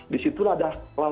disitu ada lawan